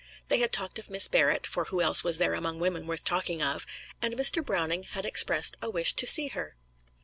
They had talked of Miss Barrett (for who else was there among women worth talking of!) and Mr. Browning had expressed a wish to see her.